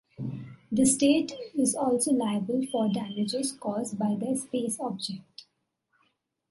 The State is also liable for damages caused by their space object.